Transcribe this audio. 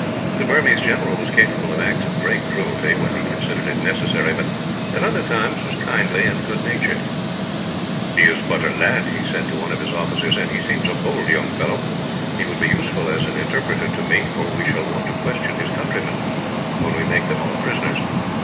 The Burmese general was capable of acts of great cruelty, when he considered it necessary; but at other times was kindly and good natured. "He is but a lad," he said to one of his officers, "and he seems a bold young fellow. He would be useful as an interpreter to me, for we shall want to question his countrymen when we make them all prisoners.